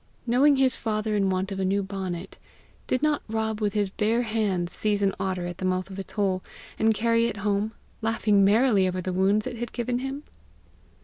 Knowing his father in want of a new bonnet, did not Rob with his bare hands seize an otter at the mouth of its hole, and carry it home, laughing merrily over the wounds it had given him?